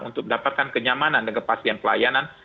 untuk mendapatkan kenyamanan dan kepastian pelayanan